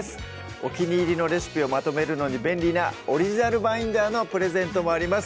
お気に入りのレシピをまとめるのに便利なオリジナルバインダーのプレゼントもあります